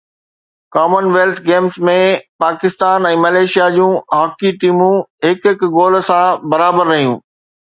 ڪمن wealth Games ۾ Pakistan ۽ Malaysia جون hockey ٽيمون هڪ هڪ گول سان برابر رهيون